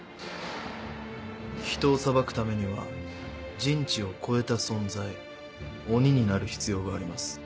人を裁くためには人知を超えた存在鬼になる必要があります。